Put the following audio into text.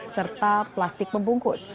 serta plastik membungkus